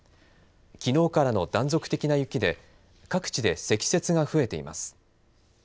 きのうからの断続的な雪で各地で積雪が増えています。